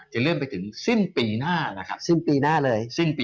จะเริ่มไปถึงสิ้นปีหน้าสิ้นปีหน้าเลย